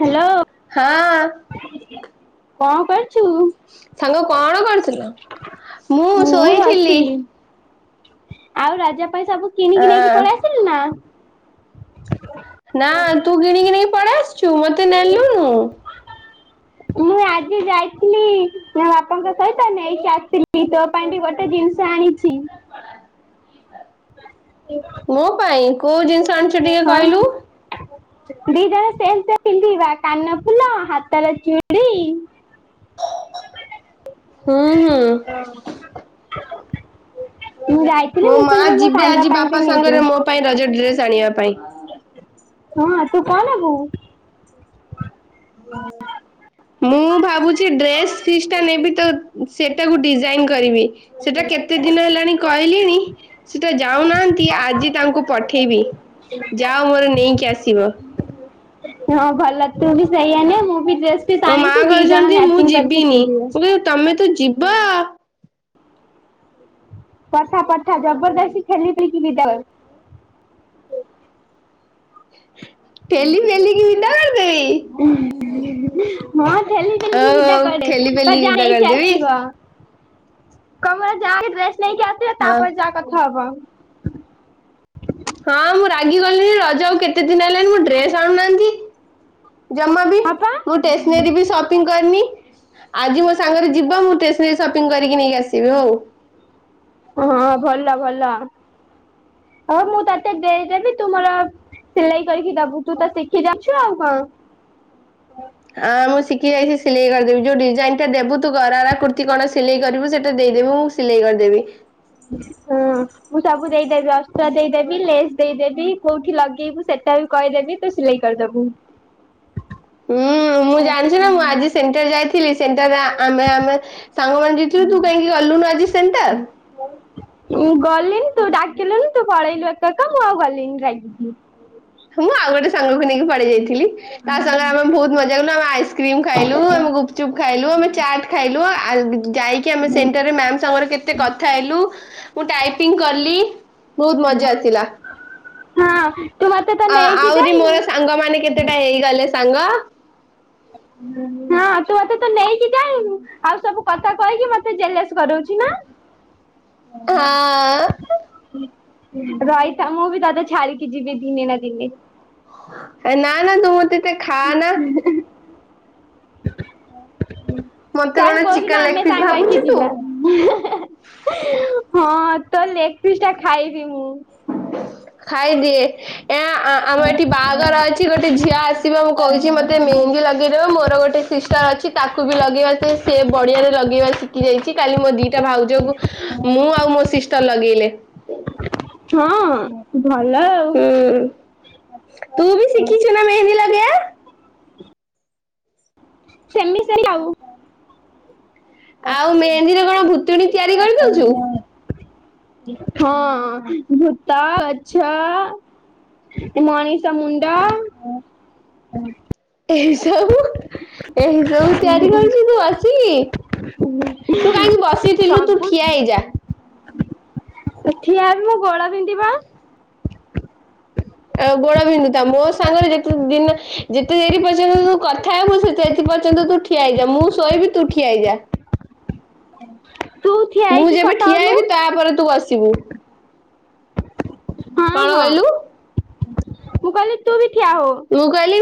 Hello. ହଁ। କଣ କରୁଛୁ? ସାଙ୍ଗ କଣ କରଥିଲ ମୁଁ ଶୋଇଥିଲି ଆଉ ରଜ ପାଇଁ ସବୁ କିଣିକି ନେଇକି ଆଁ ପଳେଇଆସି ନା। ନା ତୁ କିଣିକି ନେଇ ପଳେଇ ଆସିଛୁ ମତେ ନେଲୁନୁ। ହ ମୁଁ ଆଜି ଯାଇଥିଲି ମୋ ବାପାଙ୍କ ସହିତ ନେଇକି ଆସିଥିଲି ତୋ ପାଇଁ ବି ଗୋଟେ ଜିନିଷ ଆଣିଛି। ମୋ ପାଇଁ କୋଉ ଜିନିଷ ଆଣିୁଛୁ ଟିକେ ହଁ କହିଲୁ? ଦି ଜଣ ସେ ପିନ୍ଧିବା କାନ ଫୁଲ ହାତର ଚୁଡି ହୁଁ ହୁଁ। ମୁଁ ଯାଇ ମୋ ମା ଯିବେ ଆଜି ବାପା ସାଙ୍ଗରେ ମୋ ପାଇଁ ରଜ ଡ୍ରେସ ଆଣିବା ପାଇଁ। ହଁ ତୁ କଣ ଆ ବୋଉ ମୁଁ ଭାବୁଛି ଡ୍ରେସ ଫିସ୍ ଟା ନେବି ତ ସେଟାକୁ ଡିଜାଇନ କରିବି ସେଟା କେତେ ଦିନ ହେଲାଣି କହିଲିଣି ସେଟା ଯାଉନାହାନ୍ତି ଆଜି ତାଙ୍କୁ ପଠେଇବି। ଯାଅ ମୋର ନେଇକି ଆସିବ। ହଁ ଭଲ ତୁ ବି ସେଇଆାନି ମୁଁ ବି ଡ୍ରେସ ମୋ ମା ଟାଣିଛି ଦି ଜଣ କହିଛନ୍ତି ମୁଁ ମ୍ୟାଚିଂ କରିକି ଯିବିନି ପିନ୍ଧିବେ। ମୁଁ କହିଲି ତମେ ତ ଯିବ। କଠା ପଠା ଜବରଦସ୍ତି ଖେଲିପିକ ବିଦଳ। ପେଲି ମେଲିିକି ବିନ୍ଧା କରିଦେବ। ମଁ ଲି େଲିକ ସିଧା ହଉ କରେ ଠେଲି ତ ପେଲିକି ବିଦା ଯାଣ ହେଇକି କରିଦେବି। ଆସିବ। କମରା ଯାହା ଡ୍ରେସ ନେଇକି ଆସିବେ ହଁ ତାପରେ ଯାହା କଥା ହବ। ହଁ ମୁଁ ରାଗି ଗଲିଣି ରଜ ଆଉ କେତେ ଦିନ ହେଲାଣି ମୁଁ ଡ୍ରେସ ଆଣୁନାହାନ୍ତି। ଜମା ବି ହଁ ପା ମୁ ଷ୍ଟେସନାରୀ ବି ସପ ପିଂ କରନି ଆଜି ମୋ ସାଙ୍ଗରେ ଯିବ ମୁ ଟେସନାରୀ ସପିଂ କରି ନେଇକି ଆସିବି ଉ। ହଁ ଭଲ ଭଲ। ଆ ମୁଁ ତତେ ଦେଇଦେବି ତୁମର ସିଲେଇ କରିକି ଦବୁ ତୁ ତ ଶିଖି ଯାଉଛୁ ଆଉ କଣ। ହଁ ମୁଁ ଶିଖି ଯାଇଛି ସିଲେଇ କରିଦେବି ଯୋଉ ଡିଜାଇନ ଟା ଦେବୁ ତୁ ଗରାରା କୁର୍ତ୍ତ କଣ ସିଲେଇ କରିବୁ ସେ ଦେଇଦେବି ମୁଁ ସିଲେଇ କରିଦେବି। ହଁ। ମୁଁ ସବୁ ଦେଇଦେବି ଅସ୍ତ୍ର ଦେଇଦେବି ଲେସ୍ ଦେଇଦେବି କୋଉଠି ଲଗେଇବୁ ସେଟା ବି କହିଦେବି। ତେ ସିଲେଇ କରିଦବୁ। ହୁଁ ମୁଁ ଜାଣିଛି ନା ମୁଁ ଆଜି ସେଣ୍ଟର ଯାଇଥିଲି ସେଣ୍ଟର ଆମେ ଆମେ ସାଙ୍ଗମାନେ ରୁ ତୁ କାହିକି ଗଲୁନୁ ଆଜି ସେଣ୍ଟର। ଗଲିନି ତୁ ଡାକିଲୁନି ତୁ ପଳେଇଲୁ ଏକା ଏକା ମୁଁ ଆଉ ଗଲିନି ରାଗିକି। ମୁଁ ଆଉ ଗୋଟେ ସାଙ୍ଗକୁ ନେଇକି ପଳେଇ ଯାଇଥିଲି ତା ସାଙ୍ଗରେ ଆମେ ବହୁତ ମଜା ଜା କଲୁ, ଆଇସ୍କ୍ରିମ ଖାଇଲୁ ଆମେ ଗୁପଚୁପ ଖାଇଲୁ ଆମେ ଚାଟ ଖାଇଲୁ, ଆ ଯାଇକ କି ଆମେ ସେଣ୍ଟର ରେ ମ୍ୟାମ ସାଙ୍ଗରେ କେତେ କଥା ହେଲୁ ମୁ ଟାଇପିଙ୍ଗ କଲି। ବହୁତ ମଜା ଆସିଲା। ହଁ ତୁ ମତେ ତ ଅ ନେଇକି ଆହୁରି ଯାଇନୁ। ମୋର ସାଙ୍ଗ ମାନେ କେତେଟା ହେଇଗଲେ ସାଙ୍ଗ। ହଁ ତୁ ମତେ ତ ନେଇକି ଯାଇନୁ। ଆଉ ସବୁ କଥା କହିକି ମତେ ଜେଲସ୍ କରଉଛି ନା। ହଁ। ରହିତା ମୁଁ ବି ତତେ ଛାଡ଼ିକି ଯିବି ଦିନେ ନା ଦିନେ। ନା ନା ତୁ ମତେ ଏତେ ଖା ନା। ମତେ ଚାଲ୍ କଣ କୋଉ ଦିନ ଚିକେନ ଲେଗ ଆମେ ପିସ୍ ସାଙ୍ଗ ହେଇକି ଭାବୁଛୁ ଯିବା। ତୁ [unintelligible] ହଁ ତ ଲେଗ୍ ପିଶ ଟା ଖାଇବି ମୁଁ। ଖାଇଦିଏ। ଏ [inaudible] ଆ ଆମ ଏଠି ବାହାଘର ଅଛି ଗୋଟେ ଝିଅ ଆସିବ ମୁଁ କହୁଛି ମୋତେ ମେହେନ୍ଦୀ ଲଗେଇଦବ ମୋର ଗୋଟେ ସିଷ୍ଟର ଅଛି ତାକୁ ବି ଲଗେଇବା ସେ ସେ ବଢିଆରେ ଲଗେଇବା ଶିଖି ଯାଇଛି। କାଲି ମୋ ଦିଟା ଭାଉଜକୁ ମୁଁ ଆଉ ମୋ ସିଷ୍ଟର ଲଗେଇଲେ। ହଁ ଭଲ ଆ। ହୁଁ, ତୁ ବି ଶିଖିଛୁ ନା ମେହେନ୍ଦୀ ଲ ସେମିତି ଆଉ। ଆଉ ମେହେନ୍ଦୀରେ କଣ ଭୁତୁଣୀ ତିଆରି କରିଦଉଛୁ? ହଁ, ଭୂତ ଗଛ। ମଣିଷ ମୁଣ୍ଡ। ଏ ସବୁ, ଏଇ ସବୁ ତିଆରି କରୁଛି ତୁ ଆସିକି। ତୁ କାହିଁକି ବସିଥିଲୁ, ତୁ ଠିଆ ହେଇଯା। ଏ ଠିଆ ହେବି ମୋ ଗୋଡ ବିନ୍ଧିବ। ଆ ଗୋଡ ବିନ୍ଦୁତା ମୋ ସାଙ୍ଗରେ ଯେତେ ଦିନ ଯେତେ ଦେରି ପର୍ଯ୍ୟନ୍ତ ତୁ କଥା ହେବୁ ସେତେ ଏଥି ପର୍ଯ୍ୟନ୍ତ ତୁ ଠିଆ ହେଇଯା, ମୁଁ ଶୋଇବି ତୁ ଠିଆ ହେଇଯା। ତୁ ଠିଆ ମୁଁ ହେଇକି ଯେବେ କଥା ଠିଆ ହଉନୁ ହେଇବି, ତାପରେ ତୁ ବସିବୁ। ହଁ କଣ ହଁ କହିଲୁ ମୁଁ କହିଲି ତୁ ବି ଠିଆ ହୋ। ତୁ କହିଲି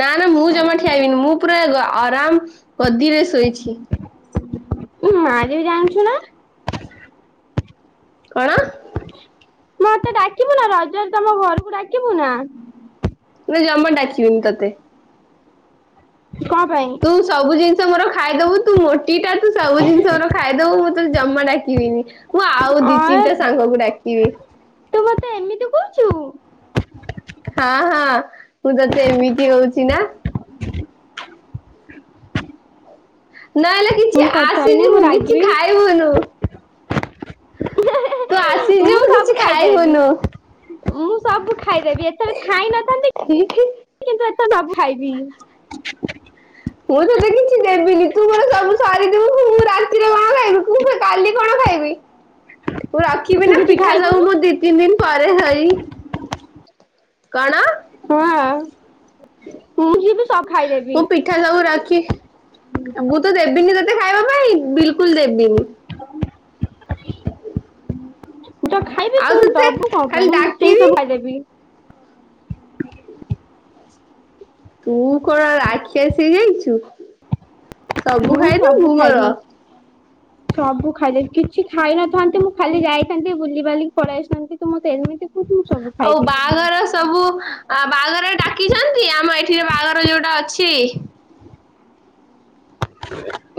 ନା ନା ମୁଁ ଜମା ଠିଆ ହେବିନି, ମୁଁ ପୁରା ଆରାମ ଗଦିରେ ଶୋଇଛି। ମୁଁ ମାରିବି ବି ଜାଣିଛୁ ନା। କଣ? ମତେ ଡାକିବୁ ନା, ରଜରେ ତମ ଘରକୁ ଡାକିବୁ ନା? ନା ଜମା ଡାକିବିନି ତତେ। କ ପାଇଁ? ତୁ ସବୁ ଜିନିଷ ମୋର ଖାଇଦବୁ ତୁ ମୋଟିଟା ତୁ ସବୁ ଜିନିଷ ମୋର ଖାଇଦବୁ ମୁଁ ତତେ ଜମା ଡାକିବିନି ମୁଁ ଆଉ ଦି ଅଁ ତିନିଟା ସାଙ୍ଗକୁ ଡାକି [unintelligible] ତୁ ମତେ ଏମିତି କହୁଛୁ। ହଁ ହଁ ମୁଁ ତତେ ଏମିତି ହଉଛି ନା। ନ ହେଲେ କିଛି ମୁଁ କଥା ହେବିନି ମୁଁ ଆସିଯିବୁ କିଛି ରାଗିବି ଖାଇ ତୁ ମୁଁ ଆସିଯିବୁ କିଛି ସବୁ ଖାଇଦେବି। ଖାଇବୁନୁ। ମୁଁ ସବୁ ଖାଇଦେବି ଏତେ ଖାଇ ନଥାନ୍ତି କିନ୍ତୁ ଏତେ ସବୁ ଖାଇବି। ମୁଁ ତତେ କିଛି ଦେବିନି ତୁ ମୋର ସବୁ ସରିଦବୁ ମୁଁ ରାଗି ରାତି ରେ କଣ ଖାଇବି କାଲି କଣ ଖାଇବି? ମୁଁ ରଖିବି ତୁ ନା କିଛି ପିଠା ସବୁ ଖାଇବୁନୁ ମୁଁ ଦି ତିନି ଦିିନ ପରେ ଖାଇବି। କଣ? ହଁ ମୁଁ ଯିବି ସବୁ ଖାଇଦେବି। ମୁଁ ପିଠା ସବୁ ରଖି ମୁଁ ତ ଦେବିନି ତତେ ଖାଇବା ପାଇଁ ବିଲକୁଲ ଦେବିନି। ମୁଁ ତ ଖାଇବି ଆଉ ତୁ ତତେ ଦବୁ କଣ ଖାଲି ପାଇଁ ମୁଁ ନୁଚେଇ ଡାକିବି ସବୁ ଖାଇଦେବି। ତୁ କଣ ରକ୍ଷାସୀ ହେଇ ଯାଇଛୁ ସବୁ ମୁଁ ସବୁ ଖାଇଦବୁ ଖାଇବି। ମୋର। [unintelligible] ସବୁ ଖାଇଦେବି କିଛି ଖାଇନଥାନ୍ତି ମୁଁ ଖାଲି ଯାଇଥାନ୍ତି ବୁଲିିବାଲିକି ପଳେଇ ଆସିଥାନ୍ତି ତୁ ମତେ ଏମିତି କହୁଛୁ ମୁଁ ସବୁ ଆଉ ଖାଇବି ବାହାଘର ସବୁ ବାହାଘର ଡାକିଛନ୍ତି ଆମ ଏଠିରେ ବାହାଘର ଯୋଉଟା ଅଛି?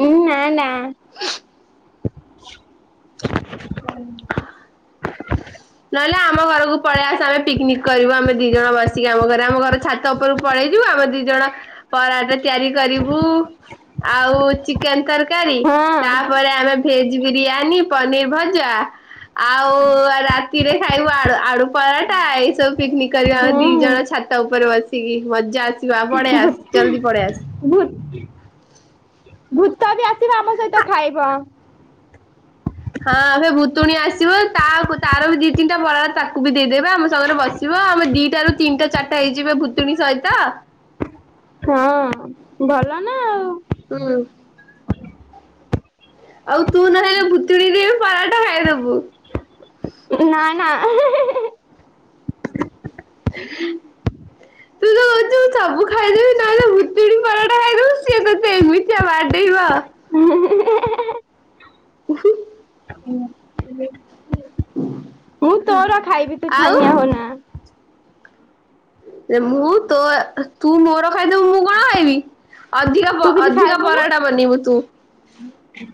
ହୁଁ ନା ନା। [unintelligible] ନହେଲେ ଆମ ଘରକୁ ପଳେଇ ଆସ ଆମେ ପିକନିକ କରିବୁ ଆମେ ଦି ଜଣ ବସିକି ଆମ ଘରେ ଆମ ଘର ଛାତ ଉପରକୁ ପଳେଇ ଯିବ ଆମେ ଦି ଜଣ ପରଟା ତିଆରି କରିବୁ ଆଉ ଚିକେନ ତରକାରୀ ହଁ ତାପରେ ଆମେ ଭେଜ ବିରିୟାନୀ, ପନିର ଭଜା ଆଉ ରା ଶାନ୍ତି ରେ ଖାଇବୁ ଆଡୁ ଆଡୁ ପରଟା ଏ ସବୁ ପିକ୍ନିକ୍ କରିବା ଆମେ ଦି ହୁଁ। ଜଣ ଛାତ ଛାତ ଉପରେ ବସିକି ମଜା ଆସିବ ପଳେଇ ଆସ ଜଲ୍ଦି ପଳେଇ ଆସ। ଭୂ ଭୂତ ବି ଆସିବ ଆମ ସହିତ ଖାଇବ। ହଁ ଏବେ ଭୁତୁଣୀ ଆସିବ ତା ତାର ବି ଦି ତିନିଟା ବରା ତାକୁ ବି ଦେଇଦେବେ, ଆମ ସାଙ୍ଗରେ ବସ ଯିବ ଆମେ ଦିଟ ରୁ ତିନିଟା ଚାରିଟା ହେଇଯିବେ ଭୁତୁଣୀ ସହିତ। ହଁ ଭଲ ନା ଆଉ। ହୁଁ। ଆଉ ତୁ ନହେଲେ ଭୁତୁଣୀ ଦେଇ ପରଟା ଖାଇଦବୁ। ନା ନା ତ କହୁଛୁ [unintelligible] ତୁ ସବୁ ଖାଇଦେବି ନହଲେ ଭୁତୁଣୀ ପରଟା ଖାଇଦବୁ ସିଏ ତୋତେ ଏ ମିତିଆ ବାଟେଇବ। ଉଁ ହୁଁ। ହୁଁ। [unintelligible] ହୁଁ [inaudible] ତୋର ଖାଇବି ତୁ ଛାନିଆ ହନା। ମୁଁ ତୋ ତୁ ମୋର ଖାଇଦେବୁ ମୁଁ କଣ ଖାଇବି? ଅଧିକ ଅଧିକ ପରଟାବନିବୁ ତୁ। ହଁ।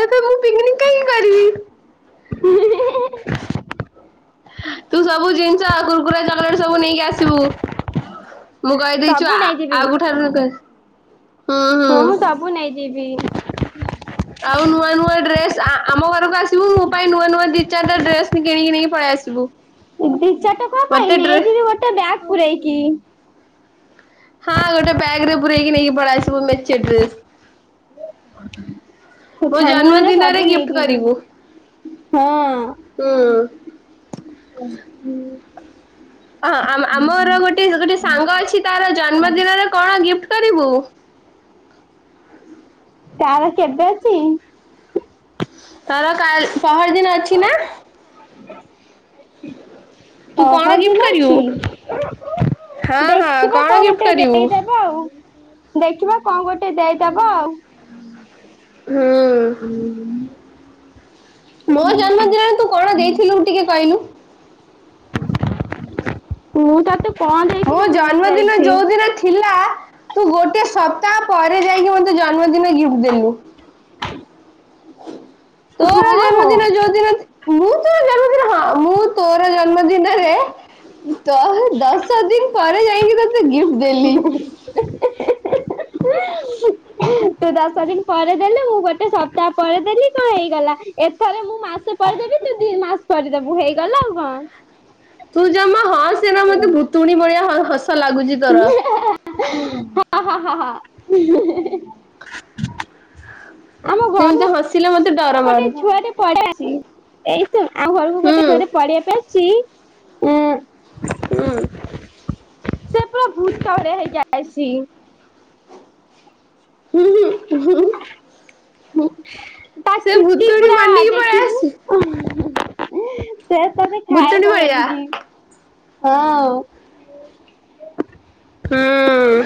ଏ ତ ମୁଁ ପିକନିକ କାହିଁକି କରିବି? [unintelligible] ହ। [unintelligible] ତୁ ସବୁ ଜିନିଷ କୁୁରକୁରି ଚକଲେଟ ସବୁ ନେଇକି ଆସିବୁ। ମୁଁ କହିଦେଇଛୁ ସବୁ ଆ ନେଇଯିବି ଆଉ କୁଠାରୁ ହଁ ମୁଁ ସବୁ ନେଇଯିବି। ଆଉ ନୂଆ ନୂଆ ଡ୍ରେସ୍ ଆ ଆମ ଘରକୁ ଆସିବୁ ମୋ ପାଇଁ ନୂଆ ନୂଆ ଦୁ ଚାରିଟା ଡ୍ରେସ କିଣିକି ନେଇି ପଳେଇ ଆସିବୁ। ଦି ଚାରିଟା କଣ ପାଇଁ ମତେ ଡ୍ରେ ନେଇଯିବି ଗୋଟେ ବ୍ୟାଗ ପୂୁରେ ଇକି। ହଁ ଗୋଟେ ବ୍ୟାଗ ରେ ପୁରଇକି ନେଇକି ପଳା ଆସିବୁ ମେଞ୍ଚେ ଡ୍ରେସ। [unintelligible] ମୋ ଛାନିଆ ହେଲେ ଜନ୍ମଦିନରେ ସବୁ ଗିଫ୍ଟି ନେଇଯିବି କରିବୁ। ହଁ ହୁଁ। ହ ହୁଁ [inaudible] ହଁ ଆ ଆମର ଗୋଟେ ଗୋଟେ ସାଙ୍ଗ ଅଛି ତାର ଜନ୍ମଦିନରେ କଣ ଗିଫ୍ଟି କରିବୁ? ତାର କେବେ ଅଛି? ତାର କା ପହର ଦିନ ଅଛି ନା? ତୁ କଣ ପହର ଗିଫ୍ଟ ଦିନ କରିବୁ? ଅଛି ହଁ ହଁ ଦେଖିବା କଣ ଗିଫ୍ଟ ଗଟେ କରିବୁ? ଦେଇଦ ଆଉ ଦେଖିବା କଣ ଗୋଟେ ଦେଇଦବ ଆଉ। ହୁଁ। ହୁଁ [inaudible] ମୋ ଜନ୍ମଦିନରେ ତୁ କଣ ଦେଇଥିଲୁ ଟିକେ କହିଲୁ? ମୁଁ ତୋତେ ମୋ ଜନ୍ମଦିନ ଯୋଉଦିନ ଥିଲା ତୁ ଗୋଟେ ସପ୍ତାହ ପରେ ଯାଇକି ମୋେ ଜନ୍ମଦିନ ଗିଫ୍ଟି ଦେଲୁ। ତୋର ହଁ ହଁ ଜନ୍ମଦିନ ଯୋଉଦିନ ମୁଁ ତୋ ଜନ୍ମ ହଁ ମୁଁ ତୋର ଜନ୍ମଦିନରେ ତ ଦଶ ଦିନ ପରେ ଯାଇକି ତତେ ଗିଫ୍ଟ ଦେଲି। ତୁ ଦଶ ଦିନ ପରେ ଦେଲେ ମୁଁ ଗୋଟେ ସପ୍ତାହ ପରେ ଦେଲି କଣ ହେଇଗଲା ଏଥର ମୁଁ ମାସେ ପରେଦେବି ତୁ ଦିମାସ ପରେ ଦେବୁ ହେଇଗଲା ଆଉ କଣ। ତୁ ଜମା ହଁସ ନା ମତେ ଭୁତୁଣି ଭଳିଆ ହସ ଲାଗୁଛି ତୋର। ହଁ ହ ହ ହ। [unintelligible] ଆମ ଘରୁ ଯେମିତି ହସିଲେ ମତେ ଡର। ଗୋଟେ ମାଡୁ ଛୁଆଟେ ପଢେଇଆ ଅ ଏଇୁନ ଆଉଗୋଟେ କୁ ହୁଁ ଗୋଟେ ଛୁଆଟ ପଢେଇବା ପାଇଁ [unintelligible] ଚି ଏଁ ହୁଁ। ସେ ପୂରା ଭୂତ ଭଳିଆ ହେଇକି ଆସିକି। ହୁଁ ହୁଁ ହୁଁ ହୁଁ। ତା ସେ ଚୁଟି ଭୁତୁଣୀ ପୁରା ବନିକି ପଳେଇ ଦେଖିବୁ ଆସି ସେ ତତେ ଭୁତୁଣୀ ଖାଇବ ଭଳିଆ ବୋଲିକି ହଁ। ହୁଁ।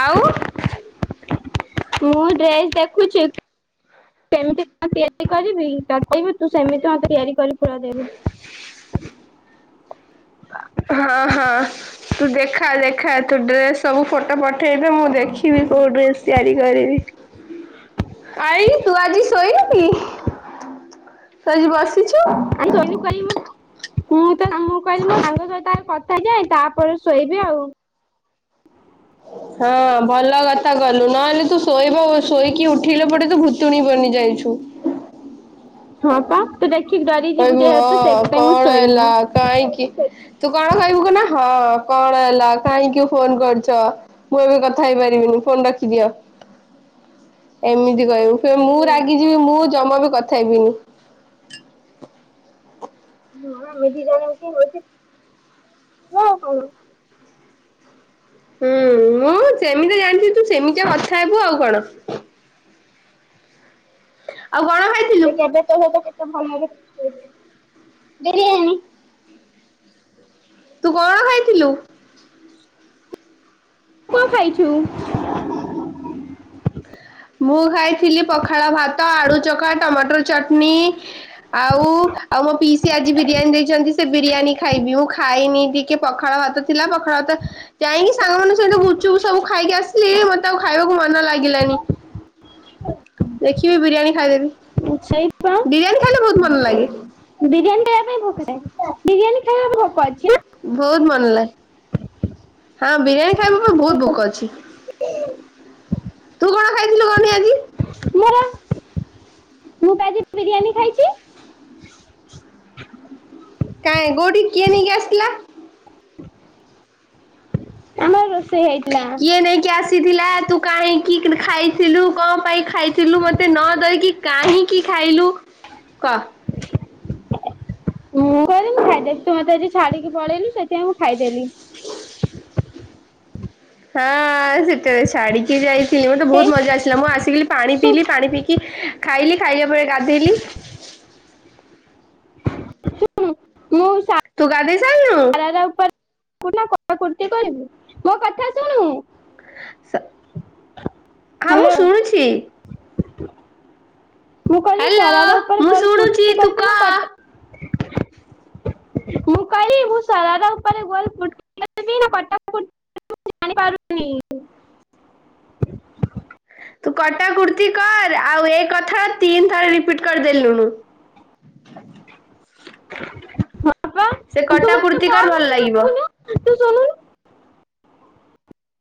ଆଉ। ମୁଁ ଡ୍ରେସ ଦେଖୁଚି। ସେମିତି କ ତିଆରି କରିବି କଦେଇବୁ ତୁ ସେମିତି ମତେ ତିଆରି କରି କୁରା ଦେବୁ। ହଁ-ହଁ ତୁ ଦେଖା-ଦେଖା ତୁ ଡ୍ରେସ ସବୁ ଫଟୋ ପ ଠେଇଦେ ମୁଁ ଦେଖିବି କୋଉ ଡ୍ରେସ ତିଆରି କରିବି। ଆଇ ତୁ ଆଜି ଶୋଇନୁ କି ତୁ ଆଜି ବସିଛୁ। [unintelligible] ଥା ହେଇ ଯାଏ ତାପରେ ଶୋଇବି ଆଉ। ହଁ ଭଲ କଥା କଲୁ ନହେଲେ ତୁ ଶୋଇବା ଶୋଇକି ଉଠିଲେ ପରେ ତୁୁୁ ଭୁ ତୁଣି ବନି ଯାଇଛୁ। ହଁ ପା ତୁ ଦେଖିକି ଡରି ଯିବୁ କହିବୁ ଯେହେତୁ ହଁ ସେଇଥିପାଇଁ ମୁଁ କଣ ଶୋଇନି। ହେଲା କାହିଁକି ତୁ କଣ କହିବୁ କ ନା ହଁ କଣ ହେଲା କାହିଁକି ଫୋନ କରିଚ। ମୁଁ ଏବେ କଥା ହେଇପାରିବିନି ଫୋନ ରଖିଦିଅ। ଏମିତି କହିବୁ ଫୁ ମୁଁ ରାଗିଯିବି ମୁଁ ଜମା ବି କଥା ହେବିନି। ହଁ ଭୋଜି କଣ ହୋଉଛି [unintelligible] ହୁଁ ମୁଁ ଯେମିତି ଜାଣିଛିି ତୁ ସେମିତିଆ କଥା ହେବୁ ଆଉ କଣ। ଆଉ କଣ ଖାଇ [unintelligible] [unintelligible] ଭଲରେ ବିରିୟାନୀ। ତୁ କଣ ଖାଇଥିଲୁ। କଣ ଖାଇଛୁ। ମୁଁ ଖାଇଥିଲି ପଖାଳ ଭାତ ଆଳୁ ଚଖା ଟମାଟର ଚଟନି। ଆଉ-ଆଉ ମୋ ପିଇସୀ ଆଜି ବିରିୟାନୀ ଦେଇଚନ୍ତି, ସେ ବିରିୟାନୀ ଖାଇବି ମୁଁ ଖାଇନି ଟିକେ ପଖାଳ ଭାତ ଥିଲା ପାଖାଳ ଭାତ। ଯାଇକି ସାଙ୍ଗମାନଙ୍କ ସହିତ ଗୁଚୁପୁ ସବୁ ଖାଇକି ଆସିଲି ମତେ ଆଉ ଖାଇବାକୁ ମନ ଲାଗିଲାନି। ଦେଖିବି ବିରିୟାନୀ ଖାଇଦେବି, ସେଇପା ବିରିୟାନୀ ଖାଇଲେ ବହୁତ ମନ ଲାଗେ। ବିରିୟାନୀ ଖାଇବା ପାଇଁ ଭୋକ ଥାଏ, ବିରିୟାନୀ ଖାଇବା ଭୋକ ଅଛି ନା। ବହୁତ ମନ ଲା ହଁ ବିରିୟାନୀ ଖାଇବା ପାଇଁ ବହୁତ ଭୋକ ଅଛି। ତୁ କଣ ଖାଇଥିଲୁ କହନି ଆଜି? ମାମା ମୁଁ ପା ଆଜି ବିରିୟାନୀ ଖାଇଚି। କାଁଇ କୋଉଠି କିଏ ନେଇକି ଆସିଥିଲା? ଆମର ରୋଷଇ ହେ କିଏ ନେଇକି ଆସିଥିଲା ତୁ କାହିଁକି କ୍ରି ଖାଇଥିଲୁ କଣ ପାଇଁ ଖାଇଥିଲୁ ମତେ ନ ଦେଇକି କାହିଁକି ଖାଇଲୁ? କହ। [inaudible] ମୁଁ କହିନି ଖାଇଦେଇକି ମୋତେ ଆଜି ଛାଡିକି ପଳେଇଲୁ ସେଥିପାଇଁ ମୁଁ ଖାଇଦେଲି। ହଁ ସି ତ ଛାଡିକି ଯାଇଥିଲୁ ମତେ ହେଇ ବହୁତ ମଜା ଆସିଲା, ମୁଁ ଆସିକିଲି ପାଣି ପିଇଲି ପାଣି ଶୁଣୁ ପିଇକି ଖାଇଲି ଖାଇଲା ପରେ ଗାଧେଇଲି। ହୁଁ ମୁଁ ଶା ତୁ ଗାଧେଇ ସାରିଲୁଣୁ? [unintelligible] ମୋ କଥା ଶୁଣୁ। ହଁ ମୁଁ ହ୍ୟାଲୋ ଶୁଣୁଛି। ମୁଁ କହିଲି ହ୍ୟାଲୋ ସାରାରା ଉପ ମୁଁ ଗୋଲ ଶୁଣୁଛି କୁର୍ତି ତୁ କରି ବିି ନା କହ? କ ମୁଁ କହିଲି ମୁ ସରାରା ଉପରେ [unintelligible] ଜାଣିପାରୁନି। [unintelligible] ତୁ କଟା କୁର୍ତ୍ତି କର ଆଉ ଏ କଥା ତିନି ଥର ରିପିଟ କରିଦେଲୁଣୁ। ହଁ। ସେ କଟା କୁର୍ତ୍ତି କର ଭଲ ଲାଗିବ। ତୁ ଚଲଉନୁ।